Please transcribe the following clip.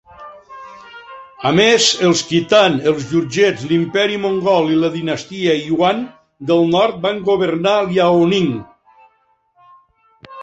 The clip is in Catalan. A més, els kitan, els jurtxets, l'Imperi mongol i la dinastia Iuan del nord van governar Liaoning.